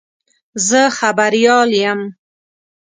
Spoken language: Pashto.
زه خبریال یم.